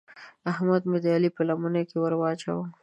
احمد مې د علي په لمن کې ور واچاوو.